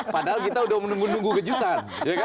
padahal kita sudah menunggu nunggu kejutan